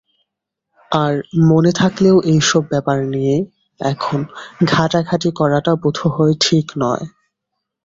আর মনে থাকলেও এইসব ব্যাপার নিয়ে এখন ঘাঁটাঘাঁটি করাটা বোধহয় ঠিক নয়।